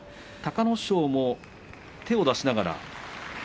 隆の勝も手を出しながら。